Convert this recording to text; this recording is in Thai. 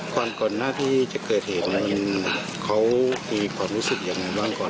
ความก่อนหน้าที่จะเกิดเห็นมันเขามีความรู้สึกยังไงบ้าง